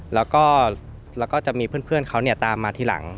แล้วก็จะมีเพื่อนเขาตามมาทีหลัง